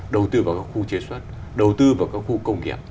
đầu tư vào các khu chế xuất đầu tư vào các khu công nghiệp